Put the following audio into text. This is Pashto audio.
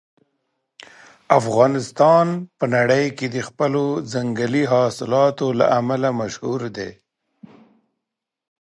افغانستان په نړۍ کې د خپلو ځنګلي حاصلاتو له امله مشهور دی.